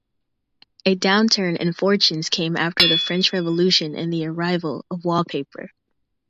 A downturn in fortunes came after the French revolution and the arrival of wallpaper.